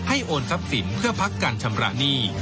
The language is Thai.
โอนทรัพย์สินเพื่อพักการชำระหนี้